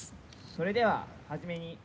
それでは始めに。